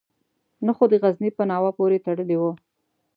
نه خو د غزني په ناوه پورې تړلی وو.